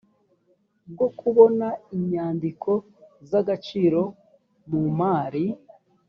bwo kubona inyandiko z agaciro mu mari